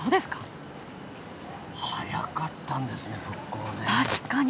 早かったんですね、復興。